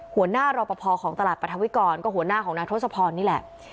หัวหน้ารอปภของตลาดปรัฐวิกรก็หัวหน้าของนายทศพรนี่แหละ